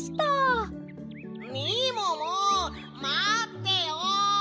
・みももまってよ！